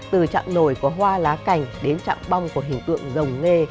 từ chạm nổi có hoa lá cành đến chạm bong của hình tượng rồng nghe